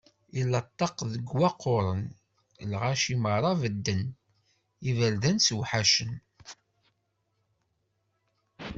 I laṭak deg waqquren, lɣaci merra bedden, iberdan sewḥacen.